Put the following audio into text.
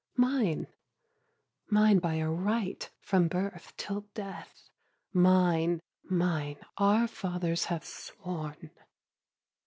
Mine, mine by a right, from birth till death, Mine, mine our fathers have sworn.